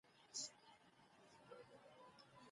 دولتونو د خپلو اتباعو امنيت خوندي کړ.